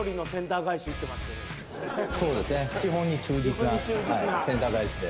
基本に忠実なセンター返しで。